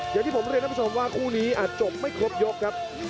อย่างที่ผมเรียนท่านผู้ชมว่าคู่นี้อาจจบไม่ครบยกครับ